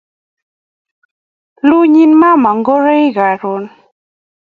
Iuni mama ngoroik karon